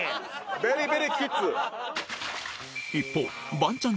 ベリーベリーキッズ。